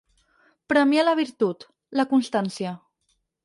Premiar la virtut, la constància.